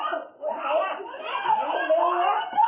รับใจลูกขี้เร็ว